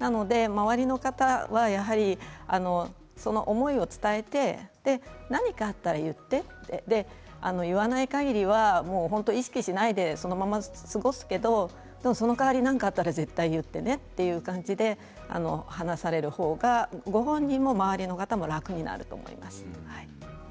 周りの方は、やはり思いを伝えて何かあったら言って言わないかぎりは本当に意識しないでそのまま過ごすけどその代わり、何かあったら絶対に言ってねという感じで話される方がご本人も周りの方も楽になると思います。